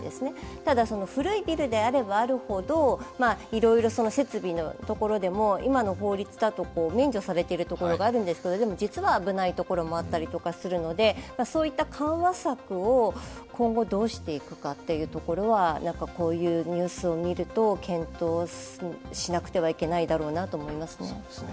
ただ、古いビルであればあるほどいろいろな設備のところでも今の法律だと免除されているところがあるんですけどでも実は危ないところもあったりとかするのでそういった緩和策を今後どうしていくかというところはこういうニュースを見ると検討しなくてはいけないだろうなと思います。